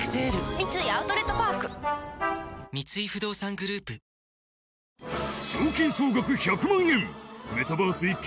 三井アウトレットパーク三井不動産グループやさしいマーン！！